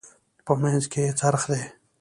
په منځ کې یې څرخ دی.